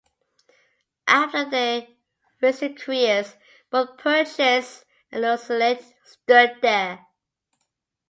After their racing careers, both Purchase and Lucullite stood there.